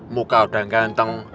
muka udah nganteng